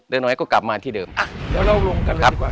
เดินหน่อยก็กลับมาที่เดิน